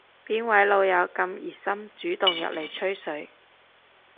邊位老友咁熱心主動入嚟吹水